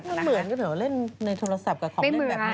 ไม่เหมือนกันเหรอเล่นในโทรศัพท์กับของเล่นแบบนั้น